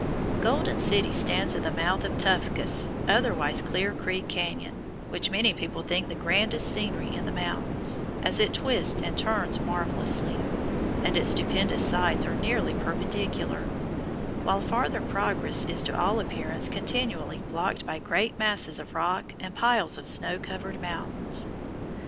Golden City stands at the mouth of Toughcuss, otherwise Clear Creek Canyon, which many people think the grandest scenery in the mountains, as it twists and turns marvellously, and its stupendous sides are nearly perpendicular, while farther progress is to all appearance continually blocked by great masses of rock and piles of snow covered mountains.